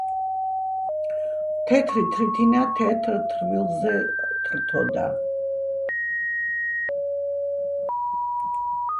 თეთრი თრითინა თეთრ რთვილზე თრთოდა.